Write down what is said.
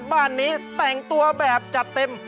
บ้านนี้แต่งตัวแบบจัดเต็ม